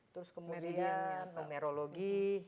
terus kemudian omerologi